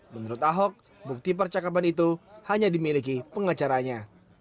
menurut ahok bukti percakapan itu hanya dimiliki pengacaranya